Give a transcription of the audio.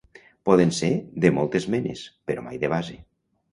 Poden ser de moltes menes, però mai de base.